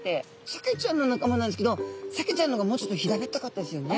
サケちゃんの仲間なんですけどサケちゃんの方がもうちょっと平べったかったですよね。